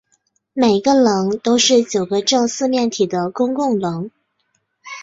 每个棱都是九个正四面体的公共棱。